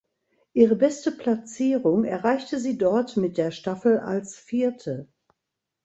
Ihre beste Platzierung erreichte sie dort mit der Staffel als Vierte.